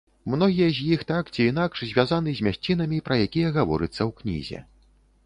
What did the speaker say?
Многія з іх так ці інакш звязаны з мясцінамі, пра якія гаворыцца ў кнізе.